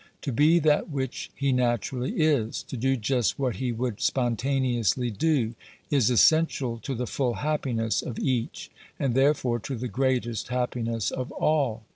To be that which jhe naturally is — to do just what he would spontaneously do — is essential to the full happiness of each, and therefore to the ^greatest happiness of all.